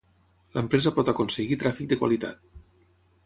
L'empresa pot aconseguir tràfic de qualitat.